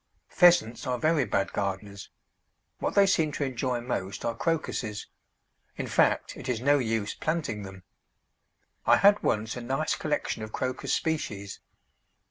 Pheasants are very bad gardeners; what they seem to enjoy most are Crocuses in fact, it is no use planting them. I had once a nice collection of Crocus species.